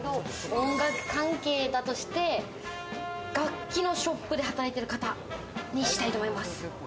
音楽関係だとして楽器のショップで働いてる方にしたいと思います。